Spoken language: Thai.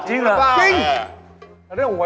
จริงเหรอ